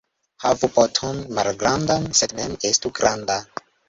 Havu poton malgrandan, sed mem estu granda.